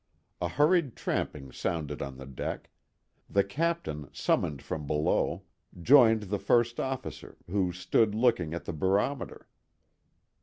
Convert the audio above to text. A hurried tramping sounded on the deck; the captain, summoned from below, joined the first officer, who stood looking at the barometer.